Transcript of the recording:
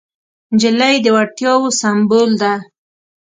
نجلۍ د وړتیاوو سمبول ده.